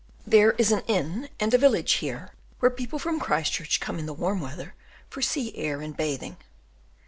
There is an inn and a village here, where people from Christchurch come in the warm weather for sea air and bathing.